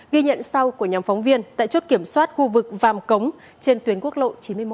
ghi nhận sau của nhóm phóng viên tại chốt kiểm soát khu vực vàm cống trên tuyến quốc lộ chín mươi một